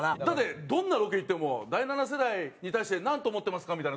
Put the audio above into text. だってどんなロケ行っても「第七世代に対してなんと思ってますか？」